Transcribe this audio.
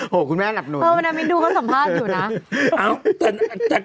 โหคุณแม่หลับหน่วนโอ้มันนามิดูเขาสัมภาษณ์อยู่น่ะ